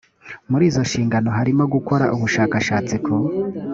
muri izo nshingano harimo gukora ubushakashatsi ku